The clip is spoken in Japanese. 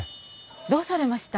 どうされました？